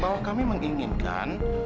bahwa kami menginginkan